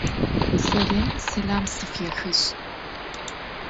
Zarêm selam sfyaxıj.